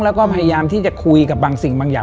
แล้วก็พยายามที่จะคุยกับบางสิ่งบางอย่าง